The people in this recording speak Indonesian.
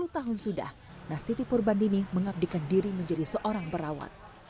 sepuluh tahun sudah nastiti purbandini mengabdikan diri menjadi seorang perawat